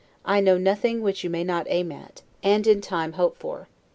I know nothing which you may not aim at, and in time hope for.